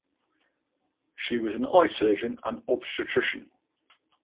She was an eye surgeon and obstetrician.